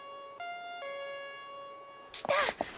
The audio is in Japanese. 来た！